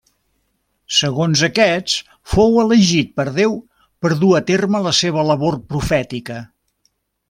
Segons aquests fou elegit per Déu per dur a terme la seva labor profètica.